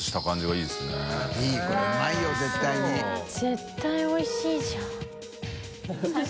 絶対おいしいじゃん。